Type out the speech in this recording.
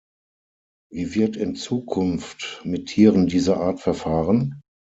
Wie wird in Zukunft mit Tieren dieser Art verfahren?